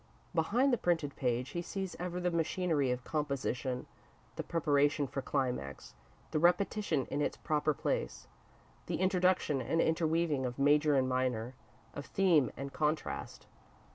Behind the printed page, he sees ever the machinery of composition, the preparation for climax, the repetition in its proper place, the introduction and interweaving of major and minor, of theme and contrast.